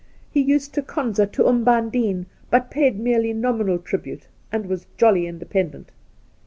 He used to konza to Umbandine, but paid merely nominal tribute, and was jolly independent.